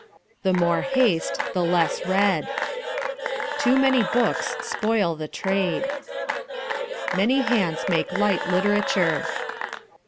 The more haste the less read. Too many books spoil the trade. Many hands make light literature.